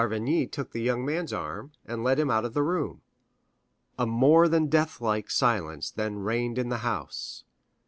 D'Avrigny took the young man's arm, and led him out of the room. A more than deathlike silence then reigned in the house.